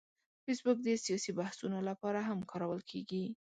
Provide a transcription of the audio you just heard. فېسبوک د سیاسي بحثونو لپاره هم کارول کېږي